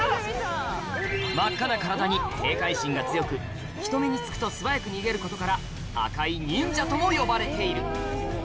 真っ赤な体に警戒心が強く人目に付くと素早く逃げることから赤い忍者とも呼ばれている